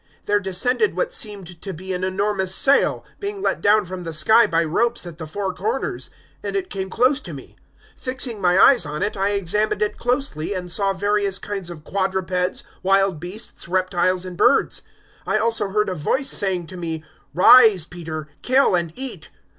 There descended what seemed to be an enormous sail, being let down from the sky by ropes at the four corners, and it came close to me. 011:006 Fixing my eyes on it, I examined it closely, and saw various kinds of quadrupeds, wild beasts, reptiles and birds. 011:007 I also heard a voice saying to me, "`Rise, Peter, kill and eat.'